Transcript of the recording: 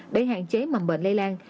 để hạn chế mầm bệnh lây lan